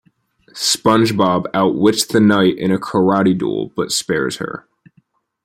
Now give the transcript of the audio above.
SpongeBob outwits the knight in a karate duel but spares her.